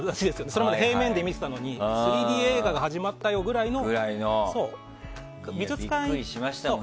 それまで平面で見てたのに３Ｄ映画が始まったよぐらいの。びっくりしましたよ。